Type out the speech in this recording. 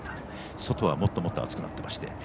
外は、もっともっと暑くなっています。